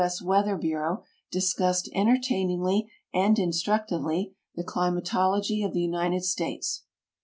S. Weatlu r Bureau, discussed entertainingly and instructively the Clima tology of the United States.